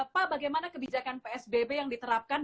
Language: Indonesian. pak bagaimana kebijakan psbb yang diterapkan